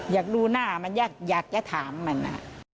อยากดูหน้ามันอยากจะถามมันนะ